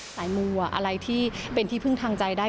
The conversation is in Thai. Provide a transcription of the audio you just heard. สายมูอะไรที่เป็นที่พึ่งทางใจได้